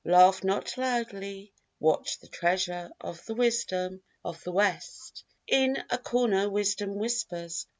Laugh not loudly: watch the treasure Of the wisdom of the West. In a corner wisdom whispers.